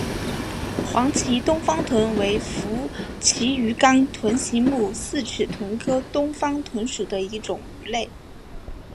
黄鳍东方鲀为辐鳍鱼纲豚形目四齿鲀科东方鲀属的一种鱼类。